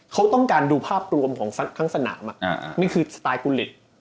เขาต้องการดูภาพรวมของทั้งสนามนี่คือสไตลกูเล็ต